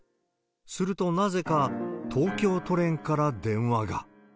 すると、なぜか東京都連から電話が。